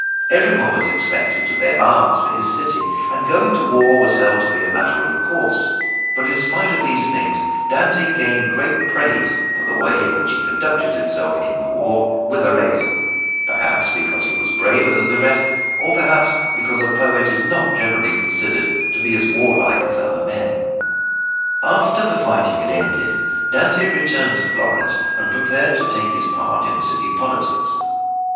Everyone was expected to bear arms for his city, and going to war was held to be a matter of course; but in spite of these things Dante gained great praise for the way in which he conducted himself in the war with Arezzo, perhaps because he was braver than the rest, or perhaps because a poet is not generally considered to be as warlike as other men. After the fighting had ended, Dante returned to Florence and prepared to take his part in city politics.